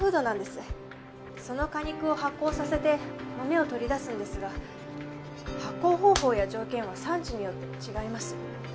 その果肉を発酵させて豆を取り出すんですが発酵方法や条件は産地によって違います。